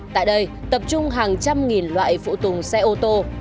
tại đây tập trung hàng trăm nghìn loại phụ tùng xe ô tô